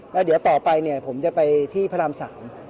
แล้วเดี๋ยวต่อไปเนี่ยผมจะไปที่พระราม๓